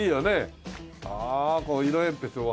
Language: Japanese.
ああこう色鉛筆のお箸。